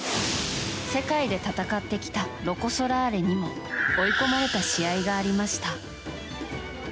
世界で戦ってきたロコ・ソラーレにも追い込まれた試合がありました。